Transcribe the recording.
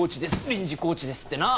臨時コーチですってな。